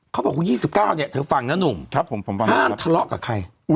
บอกว่า๒๙เนี่ยเธอฟังนะหนุ่มห้ามทะเลาะกับใคร